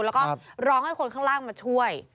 แล้วก็ร้องให้คนข้างล่างมาช่วย